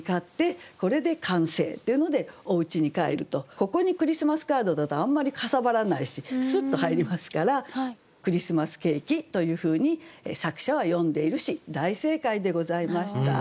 ここに「クリスマスカード」だとあんまりかさばらないしスッと入りますから「クリスマスケーキ」というふうに作者は詠んでいるし大正解でございました。